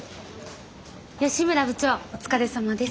吉村部長お疲れさまです。